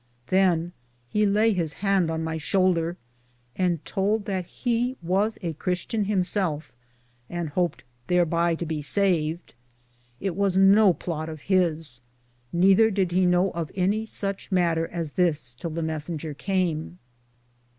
Than he lay his hand on my shoulder and tould that as he was a Christian him selfe, and hooped tharby to be saved, it was no plote of his, nether did he know of any suche matter as this till the messinger came.